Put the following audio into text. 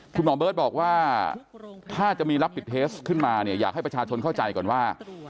คุณหมอเบิร์ตบอกว่าถ้าจะมีรับปิดเทสขึ้นมาเนี่ยอยากให้ประชาชนเข้าใจก่อนว่า